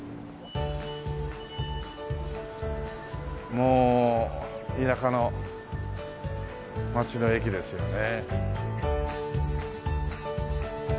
もう田舎の街の駅ですよね。